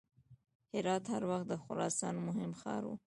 هرات هر وخت د خراسان مهم ښار و.